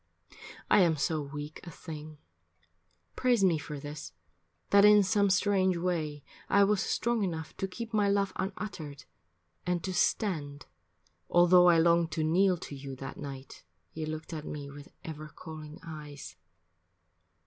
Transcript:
I am so weak a thing, praise me for this, That in some strange way I was strong enough To keep my love unuttered and to stand Altho' I longed to kneel to you that night You looked at me with ever calling eyes.